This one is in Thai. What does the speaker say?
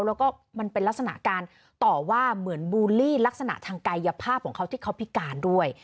แล้วก็มันเป็นลักษณะการต่อว่าเหมือนบูลลี่ลักษณะทางกายภาพของเขาที่เขาพิการด้วย